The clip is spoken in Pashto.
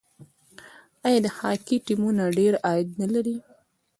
آیا د هاکي ټیمونه ډیر عاید نلري؟